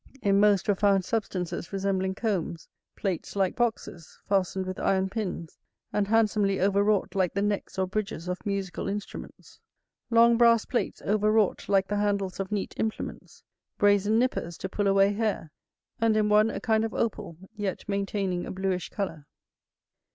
In most were found substances resembling combs, plates like boxes, fastened with iron pins, and handsomely overwrought like the necks or bridges of musical instruments; long brass plates overwrought like the handles of neat implements; brazen nippers, to pull away hair; and in one a kind of opal, yet maintaining a bluish colour.